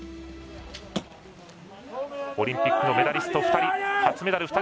オリンピックのメダリスト２人。